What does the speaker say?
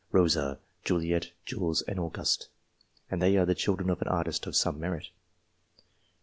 Rosa, Juliette, Jules, and Auguste, and they are the children of an artist of some merit.